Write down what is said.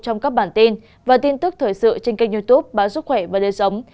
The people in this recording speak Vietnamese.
trong các bản tin và tin tức thời sự trên kênh youtube báo sức khỏe và đời sống